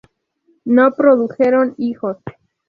No produjeron hijos.